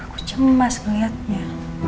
aku cemas ngeliatnya